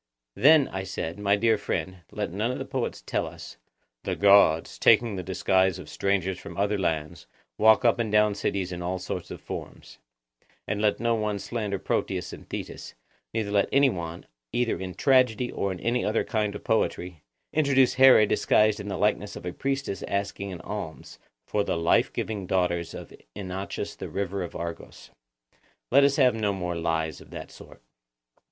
Then, I said, my dear friend, let none of the poets tell us that 'The gods, taking the disguise of strangers from other lands, walk up and down cities in all sorts of forms;' and let no one slander Proteus and Thetis, neither let any one, either in tragedy or in any other kind of poetry, introduce Here disguised in the likeness of a priestess asking an alms 'For the life giving daughters of Inachus the river of Argos;' —let us have no more lies of that sort.